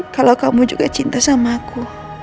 kalau kamu juga cinta sama aku